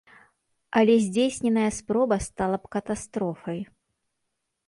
Але здзейсненая спроба стала б катастрофай.